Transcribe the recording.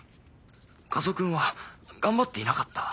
和男君は頑張っていなかった？